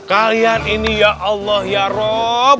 kalian ini ya allah ya rab